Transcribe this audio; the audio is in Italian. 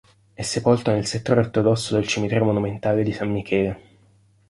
È sepolto nel settore ortodosso del cimitero monumentale di San Michele.